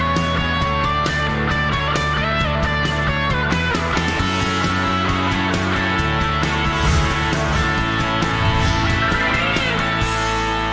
โปรดติดตามตอนต่อไป